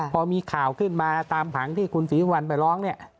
พอมีข่าวขึ้นมาตามผังที่คุณศรีสุวรรณไปร้องเนี่ย